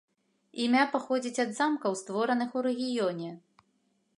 Імя паходзіць ад замкаў створаных у рэгіёне.